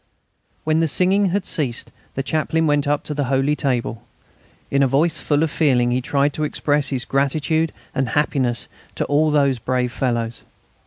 When the singing had ceased the Chaplain went up to the holy table. In a voice full of feeling he tried to express his gratitude and happiness to all those brave fellows.